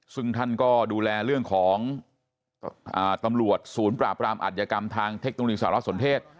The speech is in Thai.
ซึ่งท่านก็ดูแลเรื่องของตำรวจศูนย์ปราบรามอัธยกรรมทางเทคโนโลยีสารสนเทศ